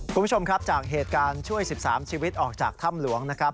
คุณผู้ชมครับจากเหตุการณ์ช่วย๑๓ชีวิตออกจากถ้ำหลวงนะครับ